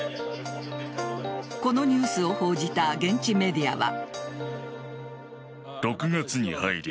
このニュースを報じた現地メディアは。